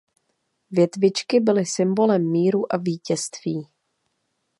Větvičky byly symbolem míru a vítězství.